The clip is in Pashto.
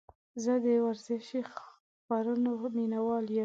زه د ورزشي خپرونو مینهوال یم.